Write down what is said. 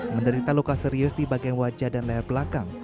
menderita luka serius di bagian wajah dan leher belakang